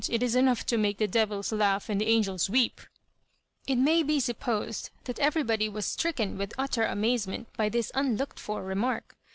It is enough to make "the devils laugh and the angels weep I" It may be supposed that everybody was stricken with utter amazement by this unlooked for remark.